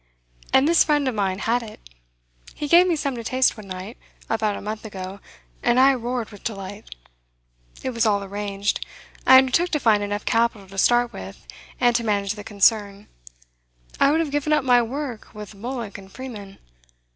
And this friend of mine had it. He gave me some to taste one night, about a month ago, and I roared with delight. It was all arranged. I undertook to find enough capital to start with, and to manage the concern. I would have given up my work with Bullock and Freeman.